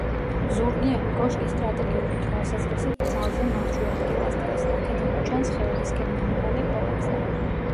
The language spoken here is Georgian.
ზურგიანი კოშკი სტრატეგიული თვალსაზრისით ძალზე მარჯვე ადგილას დგას, აქედან მოჩანს ხეობისკენ მომავალი ყველა გზა.